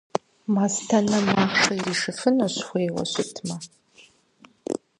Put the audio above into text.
Мастэнэм махъшэ иришыфынущ, хуейуэ щытымэ.